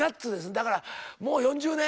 だからもう４０年。